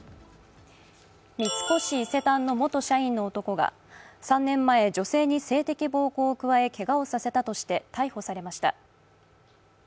三越伊勢丹の元社員の男が３年前女性に性的暴行を加え、けがをさせたとして逮捕されました。